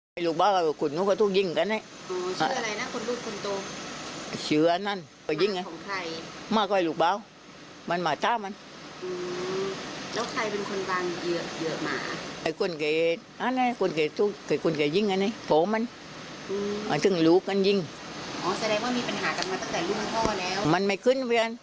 อ๋อแสดงว่ามีปัญหากันมาตั้งแต่ลูกพ่อแล้วมันไม่ขึ้น